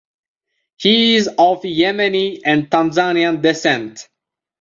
He is of Yemeni and Tanzanian descent.